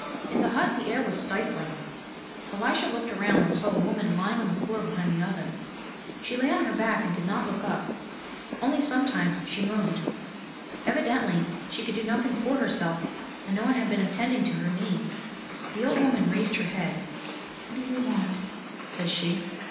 In the hut the air was stifling. Elisha looked around and saw a woman lying on the floor behind the oven. She lay on her back and did not look up. Only sometimes she moaned. Evidently she could do nothing for herself and no one had been attending to her needs. The old woman raised her head. "What do you want?" says she.